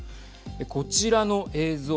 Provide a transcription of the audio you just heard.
こちらの映像。